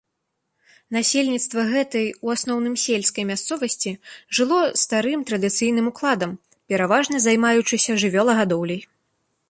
Насельніцтва гэтай, у асноўным сельскай мясцовасці, жыло старым традыцыйным укладам, пераважна займаючыся жывёлагадоўляй.